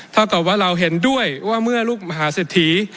เท่ากับว่าเราเห็นด้วยว่าเมื่อลูกมหาเศรษฐี